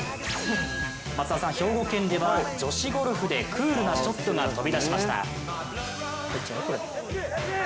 兵庫県では女子ゴルフでクールなショットが飛び出しました。